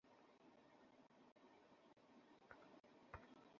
সবশেষে এবারের পরীক্ষার্থীদের জন্য একটি করে পরামর্শ চাওয়া হলো চার প্রথমের কাছে।